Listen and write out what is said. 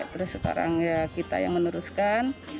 terus sekarang ya kita yang meneruskan